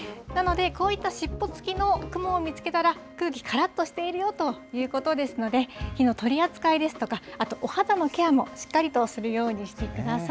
なので、こういった尻尾付きの雲を見つけたら、空気、からっとしているよということですので、火の取り扱いですとか、あと、お肌のケアもしっかりとするようにしてください。